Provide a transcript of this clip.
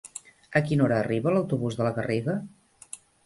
A quina hora arriba l'autobús de la Garriga?